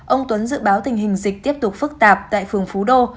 ông tuấn dự báo tình hình dịch tiếp tục phức tạp tại phường phú đô